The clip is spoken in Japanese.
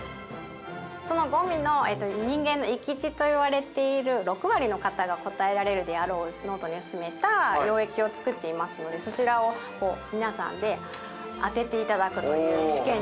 その五味の人間の閾値といわれている６割の方が答えられるであろう濃度に薄めた溶液を作っていますのでそちらを皆さんで当てて頂くという試験になります。